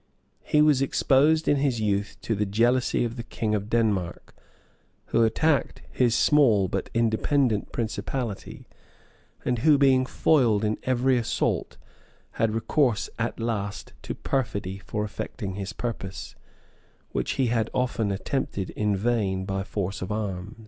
He was exposed in his youth to the jealousy of the king of Denmark, who attacked his small but independent principality, and who, being foiled in every assault, had recourse at last to perfidy for effecting his purpose, which he had often attempted in vain by force of arms.